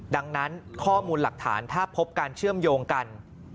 ดังนั้นข้อมูลหลักฐานถ้าพบการเชื่อมโยงกัน